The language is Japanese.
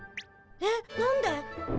えっ何で？